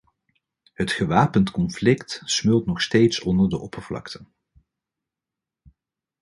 Het gewapend conflict smeult nog steeds onder de oppervlakte.